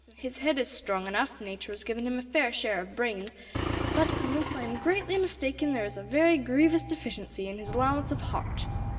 His head is strong enough; nature has given him a fair share of brains, but, unless I am greatly mistaken, there is a very grievous deficiency in his allowance of heart.